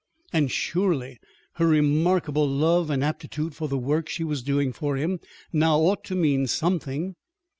And surely her remarkable love and aptitude for the work she was doing for him now ought to mean something.